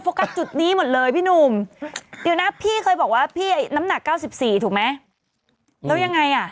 โปรตขึ้นช่องไปถูกดูนะคะนะพี่เคยบอกว่าน้ำหนัก๙๔ถูกมั้ยแล้วยังไงอ่ะ